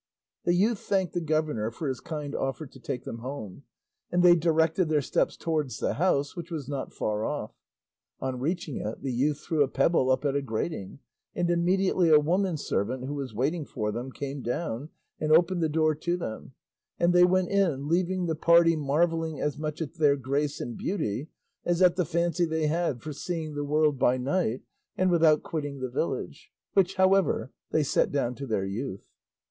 The youth thanked the governor for his kind offer to take them home, and they directed their steps towards the house, which was not far off. On reaching it the youth threw a pebble up at a grating, and immediately a woman servant who was waiting for them came down and opened the door to them, and they went in, leaving the party marvelling as much at their grace and beauty as at the fancy they had for seeing the world by night and without quitting the village; which, however, they set down to their youth.